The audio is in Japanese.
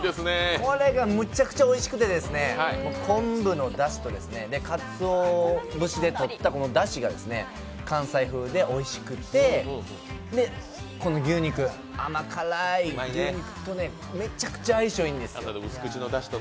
これがむちゃくちゃおいしくてですね、昆布のだしと、かつお節でとっただしが関西風でおいしくてこの牛肉、甘辛い牛肉とね、めちゃくちゃ相性がいいんですよ。